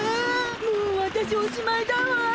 もうわたしおしまいだわ！